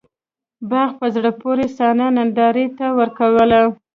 باغ په زړه پورې صحنه نندارې ته ورکوّله.